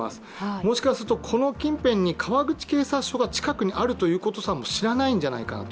もしかすると、この近辺に川口警察署があるということすらも知らないんじゃないかなと。